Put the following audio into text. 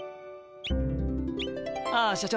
ああ社長。